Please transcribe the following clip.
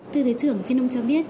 thưa thế trưởng xin ông cho biết